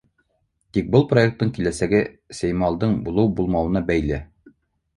Тик был проекттың киләсәге сеймалдың булыу-булмауына бәйле.